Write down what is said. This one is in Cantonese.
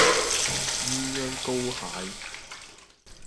鴛鴦膏蟹